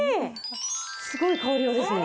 すごい変わり様ですね。